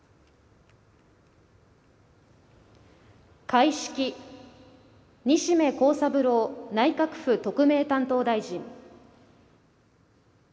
開式西銘恒三郎内閣府特命担当大臣。